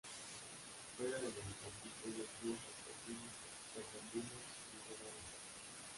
Juega de Mediocampista en el Club Sportivo Bernardino Rivadavia.